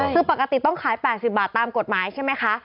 คือปกติต้องขาย๘๐บาทตามกฎหมายใช่ไหมคะ